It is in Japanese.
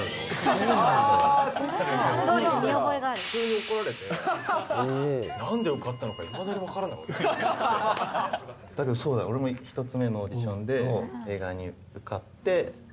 そしたら普通に怒られて、なんで受かったのかいまだに分かだけどそうだよ、俺も１つ目のオーディションで映画に受かって。